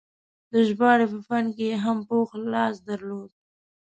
د ژباړې په فن کې یې هم پوخ لاس درلود.